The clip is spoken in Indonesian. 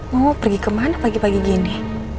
mau pergi kemana pagi pagi gini